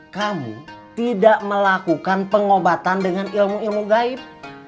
kamu tidak melakukan pengobatan dengan ilmu ilmu gaib